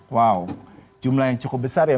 wow jumlah yang cukup besar ya